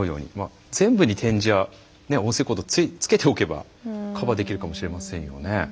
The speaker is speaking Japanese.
全部に点字や音声コードをつけておけばカバーできるかもしれませんよね。